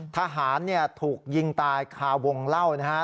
ทหารถูกยิงตายคาวงเหล้านะครับ